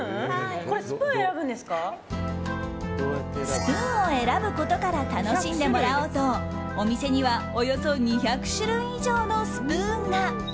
スプーンを選ぶことから楽しんでもらおうとお店にはおよそ２００種類以上のスプーンが。